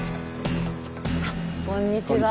あっこんにちは。